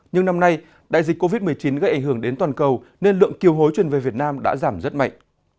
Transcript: nhưng năm nay đại dịch covid một mươi chín gây ảnh hưởng đến toàn cầu nên lượng kiều hối chuyển về việt nam đã giảm rất mạnh